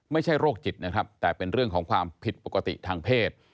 ไม่ใช่โรคจิตนะครับแต่เป็นเรื่องของความผิดปกติทางเพศ